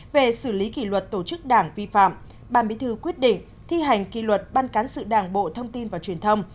về xử lý kỷ luật tổ chức đảng vi phạm ban bí thư quyết định thi hành kỷ luật ban cán sự đảng bộ thông tin và truyền thông